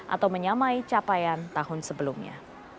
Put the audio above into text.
atau menyamai capaian tahun sebelumnya